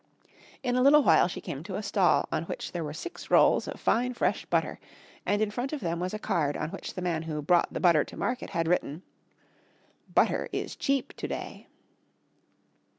In a little while she came to a stall on which there were six rolls of fine fresh butter, and in front of them was a card on which the man who brought the butter to market had written BUTTER IS CHEAP TO DAY. [Illustration: "Butter is cheap to day!"